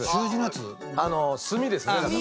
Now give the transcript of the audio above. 墨ですねだから。